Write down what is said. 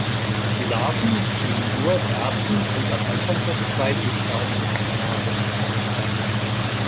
Die Larven nehmen nur im ersten und am Anfang des zweiten Stadiums Nahrung auf.